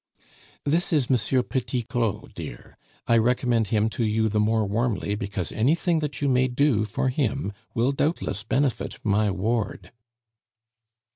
"This is M. Petit Claud, dear; I recommend him to you the more warmly because anything that you may do for him will doubtless benefit my ward."